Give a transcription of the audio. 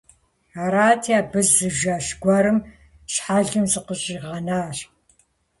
Арати, абы зы жэщ гуэрым щхьэлым зыкъыщӀигъэнащ.